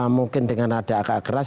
mungkin dengan ada agak keras